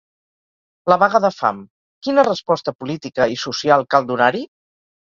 La vaga de fam: Quina resposta política i social cal donar-hi?